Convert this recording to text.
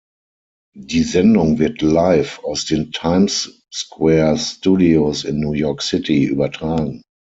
Die Sendung wird live aus den Times Square Studios in New York City übertragen.